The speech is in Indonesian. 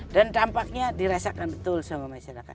dan dampaknya diresahkan betul sama masyarakat